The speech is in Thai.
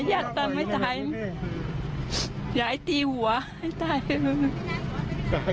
กันก็จัดทริปต้องอ่ะ